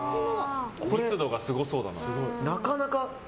密度がすごそうだな。